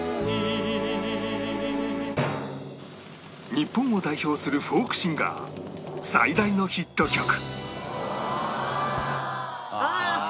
日本を代表するフォークシンガー最大のヒット曲ああ！